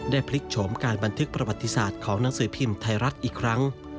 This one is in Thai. พลิกโฉมการบันทึกประวัติศาสตร์ของหนังสือพิมพ์ไทยรัฐอีกครั้ง